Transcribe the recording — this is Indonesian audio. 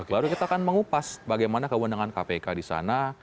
baru kita akan mengupas bagaimana kewenangan kpk di sana